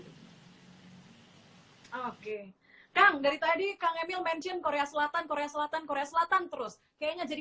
oke kang dari tadi kang emil mention korea selatan korea selatan korea selatan terus kayaknya jadi